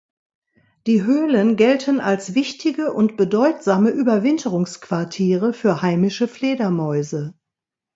Die Höhlen gelten als wichtige und bedeutsame Überwinterungsquartiere für heimische Fledermäuse.